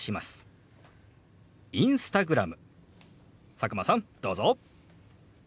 佐久間さんどうぞ。